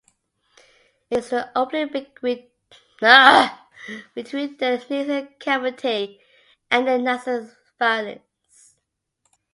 It is the opening between the nasal cavity and the nasopharynx.